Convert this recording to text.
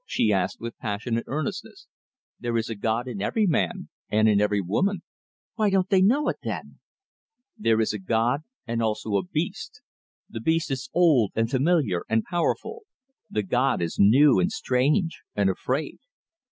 she asked, with passionate earnestness. "There is a god in every man, and in every woman." "Why don't they know it, then?" "There is a god, and also a beast. The beast is old, and familiar, and powerful; the god is new, and strange, and afraid.